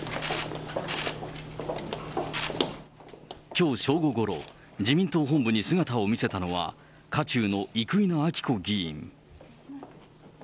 きょう正午ごろ、自民党本部に姿を見せたのは、渦中の生稲晃子議員。